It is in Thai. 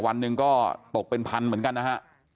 วันหนึ่งก็ตกเป็นพันเหมือนกันนะฮะ